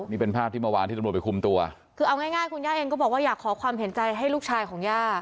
นี่เป็นภาพที่เมื่อวานที่ตำรวจไปคุมตัวคือเอาง่ายง่ายคุณย่าเองก็บอกว่าอยากขอความเห็นใจให้ลูกชายของย่า